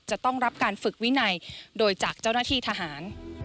จะต้องรับการฝึกวินัยโดยจากเจ้าหน้าที่ทหาร